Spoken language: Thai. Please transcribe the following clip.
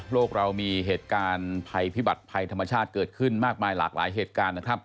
โลกเรามีเหตุการณ์ภัยพิบัติภัยธรรมชาติเกิดขึ้นมากมายหลากหลายเหตุการณ์นะครับ